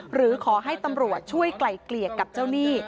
หรือขอให้ตำรวจช่วยไกล่เกลี่ยกับเจ้าหนี้